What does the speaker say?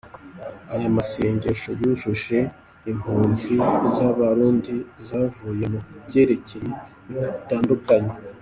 Aya masengesho yahuje impunzi z’Abarundi zavuye mu byerekezo bitandukanye.